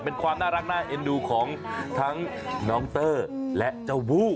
เป็นความน่ารักน่าเอ็นดูของทั้งน้องเตอร์และเจ้าบู้